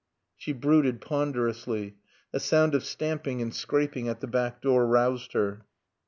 She brooded ponderously. A sound of stamping and scraping at the back door roused her.